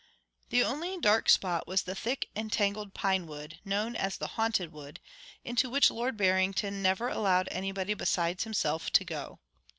The only dark spot was the thick and tangled pinewood, known as the Haunted Wood, into which Lord Barrington never allowed anybody besides himself to go.